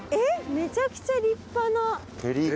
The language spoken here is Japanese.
めちゃくちゃ立派な。